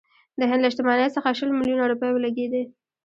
د هند له شتمنۍ څخه شل میلیونه روپۍ ولګېدې.